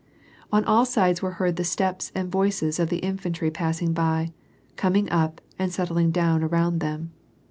()n all sides, were heard the steps and voices of the infantry passing by, coming up, and settling down around them.